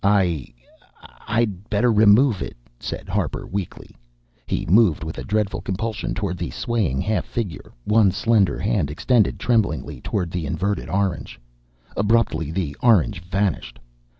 "I I'd better remove it," said Harper weakly. He moved with a dreadful compulsion toward the swaying half figure, one slender hand extended tremblingly toward the inverted orange. Abruptly, the orange vanished.